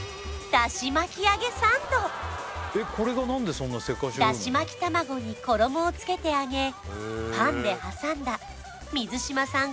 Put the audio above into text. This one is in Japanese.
そんな出汁巻き卵に衣をつけて揚げパンで挟んだ水嶋さん